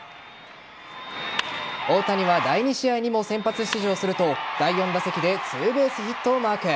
大谷は第２試合にも先発出場すると第４打席でツーベースヒットをマーク。